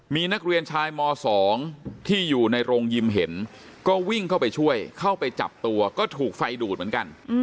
มีนักเรียนชายม๒ที่อยู่ในโรงยิมเห็นก็วิ่งเข้าไปช่วยเข้าไปจับตัวก็ถูกไฟดูดเหมือนกัน